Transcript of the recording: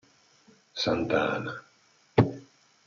Santa Ana